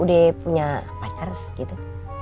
udah punya pacar gitu